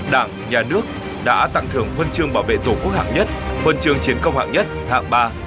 đảng nhà nước đã tặng thưởng huân chương bảo vệ tổ quốc hạng nhất huân trường chiến công hạng nhất hạng ba